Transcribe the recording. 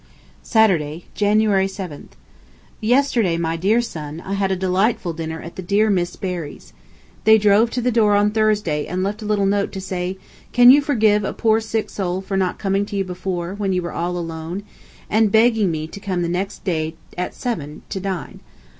Saturday, January 7th. Yesterday, my dear son, I had a delightful dinner at the dear Miss Berrys. They drove to the door on Thursday and left a little note to say, "Can you forgive a poor sick soul for not coming to you before, when you were all alone," and begging me to come the next day at seven, to dine.